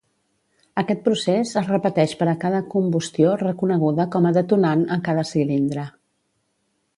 Aquest procés es repeteix per a cada combustió reconeguda com a detonant en cada cilindre.